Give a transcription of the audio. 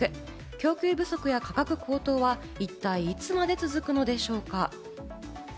供給不足、価格高騰は一体、いつまで続くのでしょうか。